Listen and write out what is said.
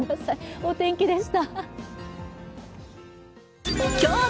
お天気でした。